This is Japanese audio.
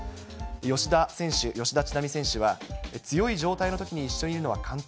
吉田選手、吉田ちなみ選手は、強い状態のときに一緒にいるのは簡単。